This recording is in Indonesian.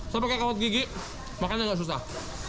saya pakai kawat gigi makannya nggak susah